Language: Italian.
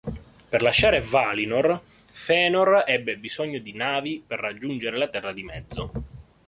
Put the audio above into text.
Per lasciare Valinor, Fëanor ebbe bisogno di navi per raggiungere la Terra di Mezzo.